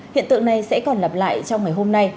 hiện tượng này sẽ còn lặp lại trong ngày hôm nay